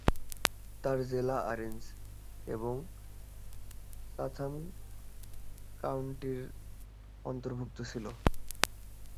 তার জেলা অরেঞ্জ এবং চাথাম কাউন্টির অন্তর্ভুক্ত ছিল।